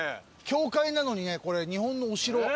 教会なのに日本のお城。